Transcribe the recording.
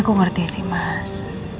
aku ngerti sih mas